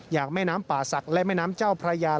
แม่น้ำป่าศักดิ์และแม่น้ำเจ้าพระยา